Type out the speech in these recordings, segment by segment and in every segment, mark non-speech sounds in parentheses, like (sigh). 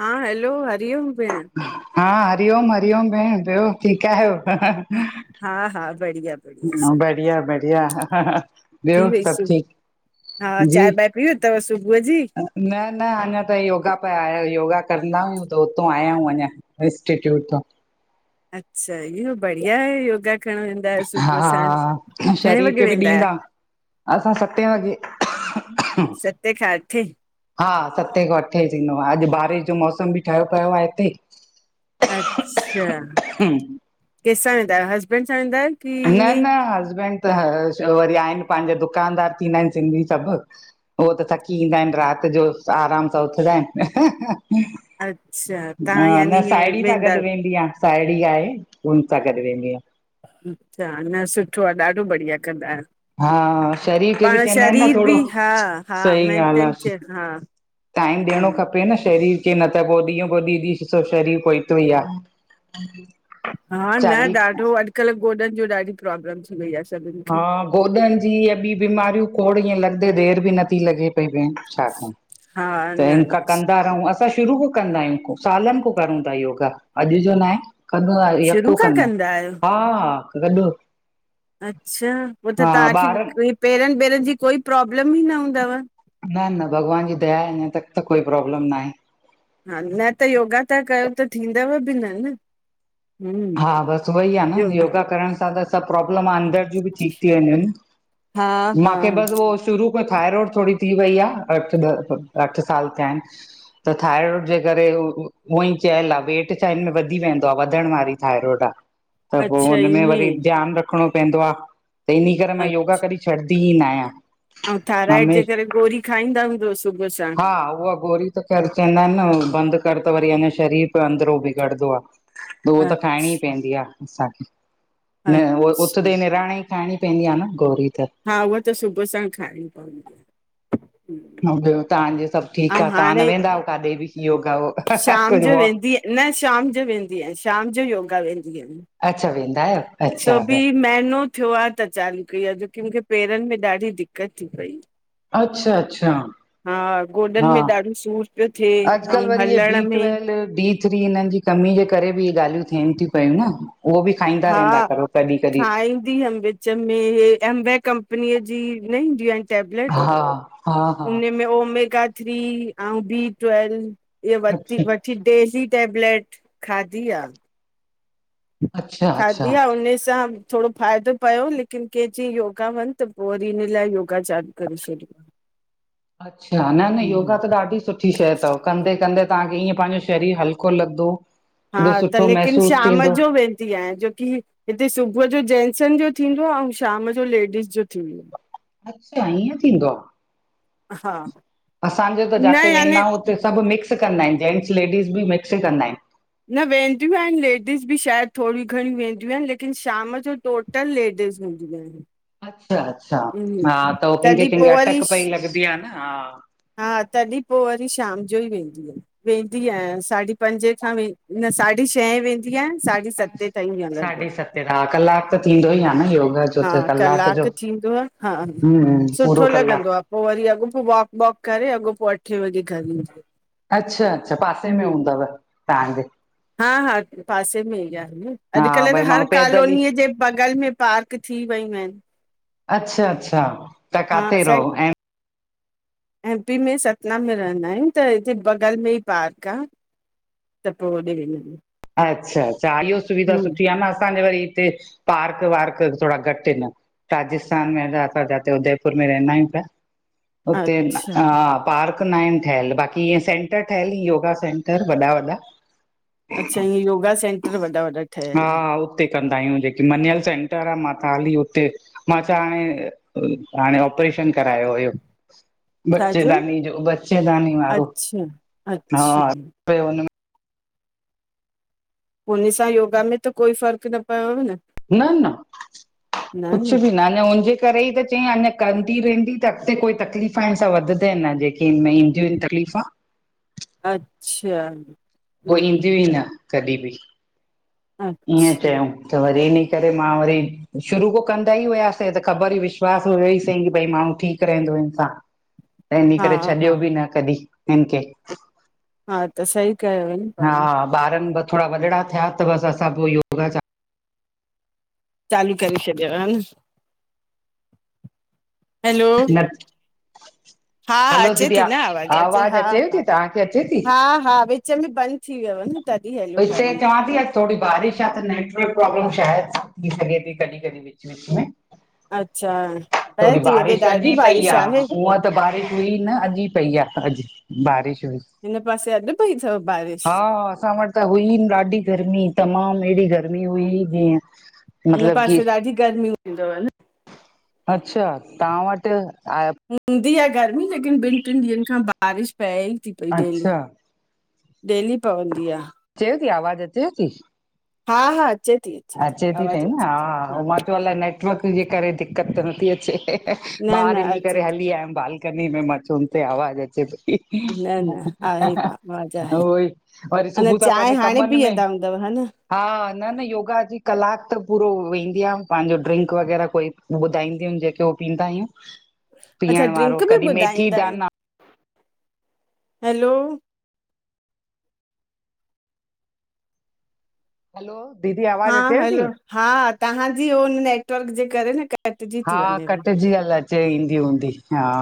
हा हलो हरि ओम भेणु हा हरिओम हरि ओम भेणु ॿियो ठीकु आहियो? ह हा ह हा हा, बढ़िया बढ़िया ह सभु बढ़िया बढ़िया हम्म, ह ह खिलण जी आवाज़ ॿियो सभु ठीकु? हां जी चायु बाय पी अथव सुबुअ जी न, न अञां ताईं योगा पिया आ योगा कंदा आहियूं, त हुतो आया आहियूं अञां एसट्रीटुट तां अच्छा इहो बढ़िया आहे योगा करण आहियो सुबुह साण हाअ घणे शरीर वॻे ख़ें ॿि वेंदा आहियो ॾींदा असां सते वॻे सते खां अठे हा सते खां अठे थींदो आ। अॼु बारिश जो मौसम ॿि ठहियो पियो आ हिते अच्छा! कंहिंसां वेंदा आहियो? हसबैंड सां वेंदा आहियो की न ईअं ई -न हसबैंड त वरी आहिनि पंहिंजा दुकानदार थींदा आहिनि सिंधी सभु हो त थकी ईंदा आहिन रात जो, आराम सां उथदा आहिनि। अच्छा तव्हां न यानी ईअं साहेड़ी सां गॾ वेंदा आहियो। वेंदी आं। साहेड़ी आहे, हुन सां गॾु वेंदी आहियां। अच्छा न सुठो आ ॾाढो बढ़िया कंदा आहियो। हा, शरीर खे बि पाण चयंदा आहिनि न शरीर बि थोड़ो, हा हा सही ॻाल्हि मेंटेन आ। थिए हा टाइम ॾियणों हम्म खपे पे न शरीर खे न त पो ॾींह ॿ ॾीह शरीर पोईते ई आ हा न चाली ॾाढो अॼुकल्ह गोॾनि जी ॾाढी प्रॉब्लम थी वई आ। हा गोडन जी ऐ बी बीमारियूं खोड़ ईअं लॻंदे देरि बि नथी लॻे हे भी ऐन छा कन? हा त न हिन न, खां कंदा रहूं असां शुरू खां कंदा आहियूं सालनि खां करयूं था योगा। अॼु जो न आहे। कंदो आ शुरू यको खां कंदा आहियो हा-हा गॾु अच्छा पो त हा ॿारनि तव्हांखे पेरनि ॿेरनि जी कोई प्रॉब्लमं ही न हूंदव। न न भॻवान जी दया आहे अंजा तक त कोई प्रोब्लम न आहे। हा न त योगा ता कयों त थींदव बि न- न। हम्म हा बसि वोई आ न योगा करण सां त सभु प्रब्लम अंदरि जी भी ठीक थी वेंदियु अन। हा हा मांगे बस शुरू न थायराइड थोड़ी थी वई आ अठ, ॾह अठ साल थिया आहिनि। त थायरॉइड जे करे उअई चयल आ वेट छा हिनन में वधी वेंदो आ वधण वारी थायरोड आ। त पो अच्छा हुन में वरी ईअं ध्यान रख रखणो पवंदो आ। त इन करे मां अ- योगा कॾी छॾंदीही न आहियां। ऐं थायराइड हमे जे करे गोरी खाईंदा हूंदोसि हा उहा गोरी त कर चयंदा आहिनि न बंदि कर त वरी ऐना शरीर प अंदरो बिगड़ंदो आ। हो त खायणी अच्छा पैंदी आ असांखे। न उह अच्छा उतदे निराणे ई खाइणी पैंदी आ न गौरी त हा उहा त सुबुह सांण खाइणी पवंदी आ। ह ॿियो तव्हांजे सभु ठीकु ऐं आ? तव्हां न हाणे वेंदाओ काडे बि योगा-वोगा शाम जो वेंदी न शाम जो वेंदी आहियां, शाम जो योगा वेंदी आहियां। अच्छा वेंदायव अच्छा मेहनो थियो आ त चालू कई आ जोकी मूंखे पेरनि में ॾाढी दिक्क़त थी पई। अच्छा -अच्छा हा गोॾनि हा में ॾाढो सूर पियो थें। आउं हलण में बीज (inaudible) (unintelligible) थ्री हिननि जी कमी जे करे बि इहे ॻाल्हियूं थियनि थिं पयूं न। उहो ॿी खाईंदा रहंदा करो, कॾहिं, कॾहिं। खाइन्दी वम (unintelligible) चम्मे हे एमबै कंपनीअ जी न इन्दी आहिन। टेबलेट, हा हा हा उन में ओमेगा थ्री, आंउ बी ट्वेल् इय वरती अच्छा वट थी डेली टेबलेट खादी आ। अच्छा अच्छा खादी आ उने सां थोड़ो फ़ाइदो पयो लेकिन कें चईं योगा वञ त पो वरी इन लाइ योगा चालू करे छॾियो। अच्छा न न हम्म योगा त ॾाढी सुठ ठी शय तव, कंदे, कंदे तव्हांखे ईअं पाहिंजो शरीर हल्को लॻदो। हा त लेकिन शाम जो वेंदी आयां जोकी हिते सुबुह जो जैनसन जो थींदो आ आउं शाम जो लेडीस जो थींदो आ। अच्छा ईअं थींदो आ, हा असांजो त न जाते याने वेंदाओ उते सभु मिक्स कंदा आहिन, जेंट्स लेडीस बि मिक्स कंदा आहिन। न वेंदियूं आहिनि, लेडीस बि शायदि थोरी घणी वेंदियूं आहिनि, लेकिन शाम जो टोटल लेडीस हूंन्दयू आहिन। अच्छा, अच्छा हा त हो कहिंखे तॾहिं कहिंखे पोइ वरी अटक पई लॻंदी आ न, हा। हा तॾहिं पोइ वरी शाम जो ई वेंदी वेंदी आहियां, साढी पंॼे खां व न साढी छहे वेंद (unintelligible) साढी अच्छा, सते ताईं हलंदो आ (unintelligible) कलाक त थींदो ई आ न योगा जो हा त कलाक जो थींदो आ, हा हम्म पूरो सुठो कलाक लॻंदो आ। पोइ वरी अॻोपो वॉक वॉक करे अॻो पोइ अठे वॻे घर ईन्नी आ। अच्छा, अच्छा पासे में हूंदव तव्हांजे। हा हा पासे में ई आ हा अॼुकल्ह त भई हर माण्हू पैदल ई कॉलोनीअ जे बगल में पार्क थी वयूं आहिनि। अच्छा, अच्छा ता काथे रहो, ऐं एम्पी में सतना में रहंदा आहियूं त हिते बगल में ई पार्क आ। त पोइ होॾे रेहंदा आयूं। अच्छा इहो सुविधा सुठी आ न,, असांजे वरी हिते पार्क वार्क थोरा घटि हिन, राजस्थान में अगर अस्सां जाथे उदयपुर में रहंदा आहिंयू त। हुते हुन अच्छा हा। पार्क न आहिनि ठहियल, बाक़ी ईअ सेंटर ठहियल ई योगा सेंटर वॾा, वॾा। अच्छा ईय योगा सेंटर वॾा वॾा ठहियलु आहिन। हुते कंदा आहियूं जेकी मनियल सेंटर आ मा त हली हुते मां छा हाणे, हाणे ऑपरेशन करायो हुयो। बचे छाजो दानी जो बचे दानी वारो, अच्छा हा अच्छा (unintelligible) हुन सां योगा में त कोई फ़र्क़ न पयव न। न न कुछ बि न न हुनजे करे ई त चई अञा कंदी रहंदी त अॻिते कोई तकलीफ़ हिन सां वधंदय न। (unintelligible) तकलीफ़ आ। अच्छा। पोइ हम्म ईंदियूं ई न, कॾहिं बि, ईअं अच्छा चयउ। त वरी इनि करे मां वरी शुरू खों कंदा ई हुयासीं त ख़बर हुई विश्वास हुयो ई सही भई माण्हू ठीक रहंदो हिन सां। त हिने हा करे हा छॾियो बि न कॾहिं हिन खे। हा, त सही कयो। हा, ॿारनि थोरा वॾड़ा थिया, तव असां सां पो इयो चालू करे छॾियो हन हलो चालू न हा हलो अचे दीदी थी न आ आवाज़ अचे, अचेव थी हा-हा, तव्हांखे अचे थी हा-हा विच में बंदि थी, वियो ‌न हिते चवां थी, अच थोरी बारिश आ, त नेटवर्क प्रॉब्लम शायद थी, सघे थी कॾी कॾी विच -विच में अच्छा पए थोरी थी हेॾे बारिश अॼु ॾाढी ई पई बारिश आ, आहे उअं त त बारिश हुई न अॼु ई पई आ, अॼु बारिश हुई हिन पासे अॼु पई, तव बारिश हा असां वटि त हुई ॾाढी गर्मी, तमाम अहिड़ी गर्मी हुई जीअं हिन मतिलब की पासे ॾाढी गर्मी हुंदी तव न अच्छा तां वटि हुंदी आ, गर्मी लेकिन ॿिनि टिनि ॾींहंनि खां बारिश पए ई थी, पई डेली अच्छा डेली पवंदी आ अचेव ती आवाज़ अचेव ती? हा, हा अचे थी। अचे थी पई न, हा मां चयो अलाए नेट वर्क जे करे, दिक़कत त नथी अचे, न ॿाहिरि न हिनी करे अचे हली आयमूं बाहर कनी में मां सुम पयावा आवाज़ अचे पई थी न न आहे पा आवाज़ आहे वई, वरी अञा सुबह सां चांहि पंहिंजे हाणे कमनि में पीअंदा हूंदव हा न हा, न- न योग योगा जी क़लाकु त पूरो वेंदी आ, पांजो ड्रिंक वग़ैरह कोई, ॿुधाईदियूं हिनि जेके उहो पीअंदा आहियूं। (inaudible) अच्छा वारो ड्रिंक बि कॾहिं मेथी ॿुधाईंदा हिनि, दाना हलो दीदी आप हा हलो हा ताव्हांजी उन नेटवर्क जे करे, न कटिजी हा, थी वञेव कटिजी हल अचे ईदी हुंदी।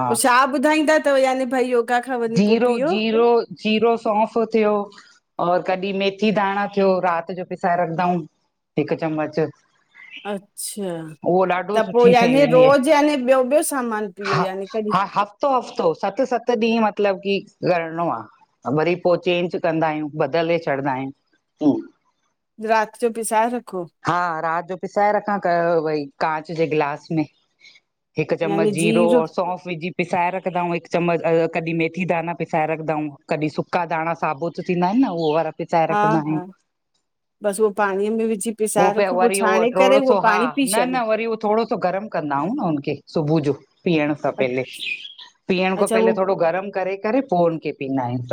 पो छा ॿुधाईंदा तव याने भई? खां वञी पोइ ज़ीरो, पीओ जीरो, जीरो, सौंफ़ हुजेयो और कॾी मेथी दाणा थियो, राति जो पिसाए रखंदाउ हिकु चम्मच अच्छा, उहो ॾाढो त पो सुठी शयूं यानी आहिनि इहे रोज़ याने ॿियो ॿियो सामान पीओ हा यानी कॾहिं हा हफ़्तो -हफ़्तो सत् सत् ॾींहु मतिलबु मतिलबु कि करणो आ, वरी पोइ चेंज कंदा आहियूं बदिले छॾींदा आहियूं। दूं राति, जो पिसाये रखो हा राति, जो पिसाए रखां कयो भई, कांच जे गिलास में हिकु चम्मच जीरो और सौंफ विझी पिसाए रखंदाउ हिकु चम्मच कॾी मेथी मैथी दाना पिसाए रखंदाउ, कॾी सुका दाणा साबूत थींदा आहिनि न उहो वारा पिसाये हा रखंदा आहियूं। हा बसि उहो पाणीअ में विझी ओ पिसाए बे रखो पोइ वरी उह छाणे करे थोरो उहो सो हा, पाणी पी न छॾो न वरी थोरो सो गरमु कंदा आ हुं न हुनखे सुबह जो पीअण खां अ- पहिले, पीअण खां अच्छा उहो पहिले थोरो गरम करे -करे, पो उनि खे पीअंदा आहियूं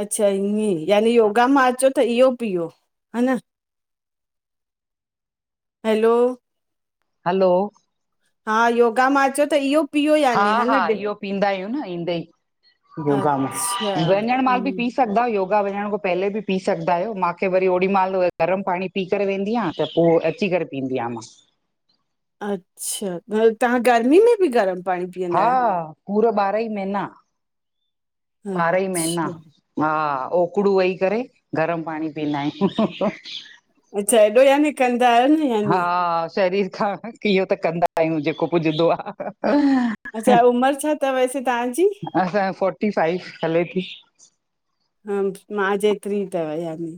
अच्छा ईअं यानी योगा मां अचो त इहो पीओ, हन हैलो। हलो। हा योगा मां अच त इहो। पीओ हा यानी हा न डि- इहो पींदायूं न ईंदे ई योगा में अच्छा वञण माल बि। हम्म पी सघंदायो योगा वञण खां पहेले बि पी सघंदा आहियो माखें वरी ओडी माल गरम पानी पी। करे वेंदीयां त पो अची करे पींदीयां मां। अच्छा तां गर्मी में बि गरम। पाणी पीअंदा हा आहियो पूरा ॿारहां ई महीना ॿारह ई महना। अच्छा हा ओकड़ू वही करे गरम पाणी पीअंदायूं। अच्छा हेएॾो यानी कंदा आयो नी। हा शरीर खां इहो त कंदा आयूं जेको पुजंदो आ। अच्छा उमर छा थव से तन्ज़ी? असां फोर्टी फाइव हले थी। ह मां जेेत्री द वया मे।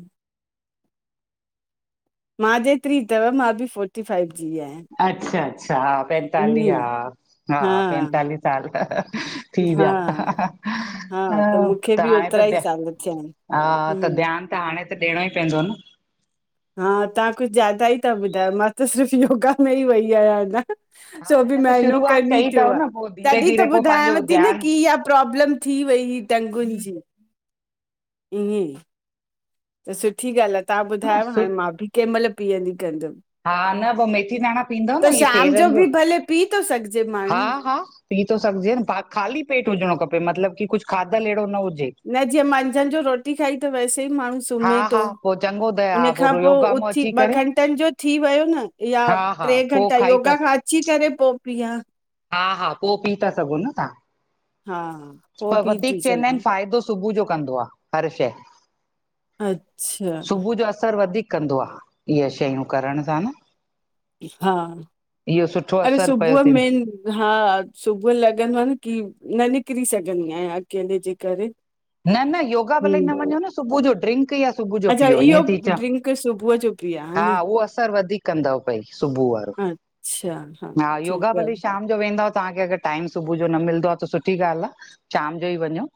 मां जे हेतरी थव मां बि फोर्टी फ़ाइव जीआयां। अच्छा अच्छा। पंतालीह हा हा पंतालीह साल त थी हा व्या। हा मूंखे त बि हाणे ओतिरा त ई ध्या साल थिया आहिनि हा त हम्म ध्यान त हाणे त ॾियणो ई पवंदो न। हा तां कुछ ज्यादा ई त ॿुधायो मां त सिर्फ़ु योगा में ई वई आहियां अञा। हा सो बि अञा त महनो शुरूआत करनी कई थियो अथव आ न पोइ धीरे तॾहिं धीरे त पोइ ॿुधायांव पंहिंजो थी न ध्यानु की इहा प्रॉब्लम। थी वई ह टेंगुंन जी ईअ ई। त सुठी ॻाल्ह आ तां न ॿुधायो सु हाणे मां बि कंहिं मल पीअंदी कंदम। हा न पोइ मेथीदाणा पीअंद न इह शाम पेर जो बि भले पी थो सघिजे हा माण्हू हा। पी थो सघजे न खाली पेट हुजणो खपे मतलब की कुछ खाधल एहड़ो न हुजे। न जीअं मंझंन जो रोटी खाई त वैसे ई माण्हू हा सुम्हे हा तो। पो चङो त हुन हा खां पो योगा मां उथी अची ॿ करे घंटन जो थी वयो न। या हा हा ट्रे पो घंटा खाई था योगा खां अची करे पो पीयां। हा हा पो पी था सघो न तां। हा। पोइ पर पी वधीक थी चयंदा आहिन सघां फ़ाइदो सुबुह जो कंदो आ हर शय। अच्छा। असर वधीक कंदो आ इय शयूं करण सां न। हा इहो सुठो अरे असरु पयो सुबुह थीन मेन। हा सुबुह लॻंदो आ न की न निकरी सघंदी आयां अकेले जे करे। न न योगा भले हम्म न वञो न सुबुह जो ड्रिंक यां। सुबुह जो अच्छा पिओ इहो ईअं थीचां ड्रिंक सुबुह जो पीआ हा न उहो असर वधीक कंदव पई सुबुह जो। अच्छा हा योगा ठीकु भले आहे शाम जो वेंदाव तांखे। टाइम सुबुह जो न मिलंदो आ त सुठी ॻाल्ह आ, शाम जो ई वञो।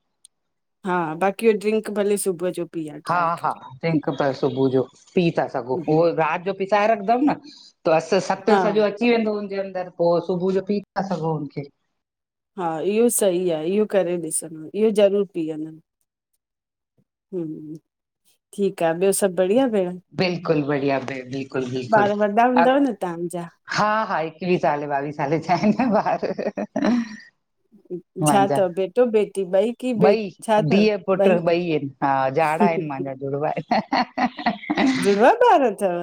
हा बाक़ीयो ड्रिंक भले सुबह जो। पीआ हा ठाहे हा करे टंक प सुबुह जो पी था सघो हम्म, उहो रात जो पिसाए रखंदम् न। त अस सत हा सॼो अची वेंदो हुनजन्दे अंदर पो सुबुह जो पी था सघो हुते हा इहो सही आ, इहो करे ॾिसंद इहो ज़रूरु पीयदम। ह ठीक आ ब्यो सभ बढ़िया भेण। बिल्कुल बढ़िया भई बिल्कुल बिल्कुल। ॿार वॾा अ हूंदव न तव्हांजा हा हा एकवीह साल ॿावीह सालॿार ठाहिण भार। छा मुहुन्जा अथव बेटो बेटी ॿई की बे ॿई छा अथव धीउ, पुट ॿई आहिन। हा झाड़ आहिन, मान्झा जुॾवा आहिन। जुॾवाँ ॿार थव।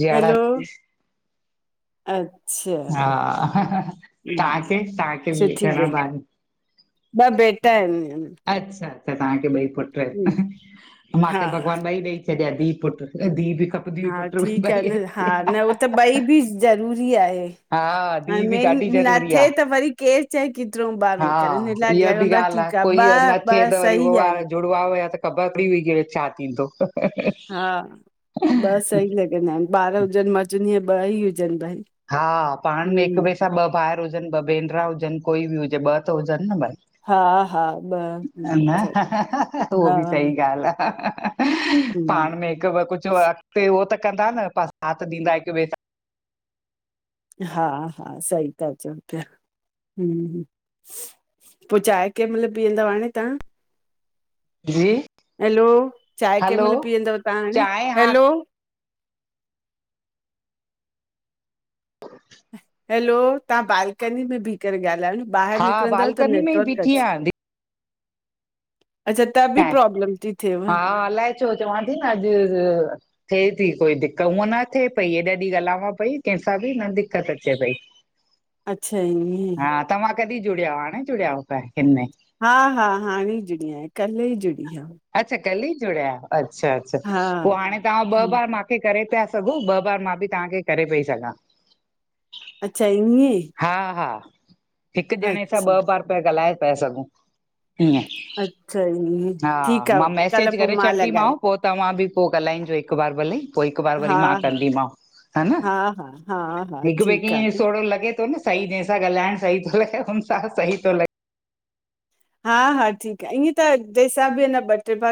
झाॾा (unintelligible) हैलो अच्छा, हा हु तव्हांखे तव्हांखे बि सुठी घणा ॿार आहिनि? ॿ बेटा आहिन। अच्छा त तव्हांखे ॿई पुट आहिन, हा माखे भॻवान ॿई ॾेई छॾयां धी पुट धीउ भी खप हा ठीकु आहे न हा न उहो त ॿई बि ज़रूरी आहे। हा हाणे धीउ बि मेन ॾाढी न ज़रूरी आ थिए त वरी केर चए केतिरो हा बारो कर इॻ इहा बि लॻंदो आ ॻाल्हि की त ॿ, ॿ सही आहिन। जुॾवा हुया त ख़बर पई हुई की छा थींदो? हा ॿ सही लॻंदा आहिन, ॿार हुजनि मां चवनी आ ॿ ई हुजनि भई। हा पाण में हिक हम्म, ॿिए सां ॿ भाहिर हुजनि ॿ भेनरा हुजनि कोई बि हुजे ॿ त हुजनि न हा, हा, ॿ भई। न हम्म, ज़रूर न उहो हा, बि सही ॻाल्हि आह। हम्म, पाण में हिकु ब कुझु अॻिते उो त कंदा न, साथ ॾींदा हिकु ॿे सां। हा हा सही त चओ पिया। हु, पोइ चांए कंहिं महिल पीहंदव हाणे तां। जी। हैलो चांहि कंहिं हलो महिल पीअंदव तव्हां हाणे, चांहि हा हैलो हैलो तां बालकनी में ॿीह करे ॻाल्हायो न ॿाहिरि निकिरंदव त नेटवर्क (unintelligible) अचे आ (unintelligible) अच्छा, त बि (unintelligible) प्रॉब्लम थी थिएव, हा अलाए चो चवां थी न अॼु थिए थी कोई दिक़ हूअं न थिए पई हेएॾा ॾींहुं ॻाल्हांवा् पई कंहिंसां बि न दिक़त अचे पई। (inaudible) अच्छा जी इये हा तव्हां कॾहिं जुड़िया हाणे जुड़या हु (unintelligible) में हा, हा हाणे ई जुड़ी आय कल्ह ई जुड़ी आ। अच्छा कली ई जुड़यायो अच्छा, अच्छा हा, पोइ हाणे तव्हां ॿ हम्म, बार मा मूखे करे पिया सघो ॿ बार मां बि तव्हांखे करे पई सघां। अच्छा ईये। हा, हा, हिकु जणे सां ॿ ॿारि पिया ॻाल्हाए पयाए सघूं। हु अच्छा ईअं, हा, ठीकु आ, मां कल्ह मैसेज पो करे छॾंदी मां लॻाए पोइ तव्हां बि पोइ ॻाल्हाई जो हिकु बार भले। पोइ हिकु बार हा वरी मां हा कंदी मां व, हा न, हा हा हा हिकु ॿिए खे ठीकु ईअं आहे थोरो लॻे (unintelligible) सही जंहिं सां ॻालाइण सही थो लॻे हुन सां सही थो लॻे हा, हा, ठीकु आहे ईअं त जैसा बि अञां ॿ टे ॿार